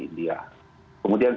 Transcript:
kemudian saya kira yang kunci kedua